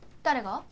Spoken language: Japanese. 誰が？